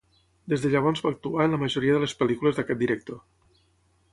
Des de llavors va actuar en la majoria de les pel·lícules d'aquest director.